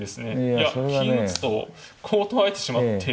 いや金打つとこう取られてしまって。